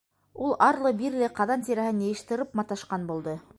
Ул арлы-бирле ҡаҙан тирәһен йыйыш-тырып маташҡан булды.